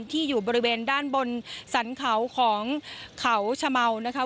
ที่อยู่บริเวณด้านบนสรรเขาของเขาชะเมานะคะ